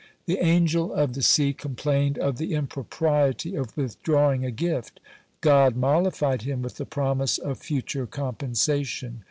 The Angel of the Sea complained of the impropriety of withdrawing a gift. God mollified him with the promise of future compensation.